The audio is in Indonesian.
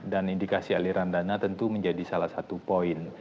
dan indikasi aliran dana tentu menjadi salah satu poin